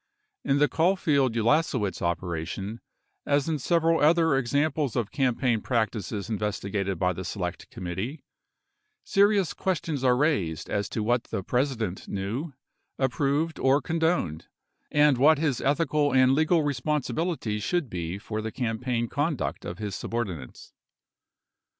In the Caulfield Ulasewicz operation, as in several other examples of campaign practices investigated by the Select Committee, serious questions are raised as to what the President knew, approved or con doned, and what his ethical and legal responsibilities should be for the campaign conduct of his subordinates.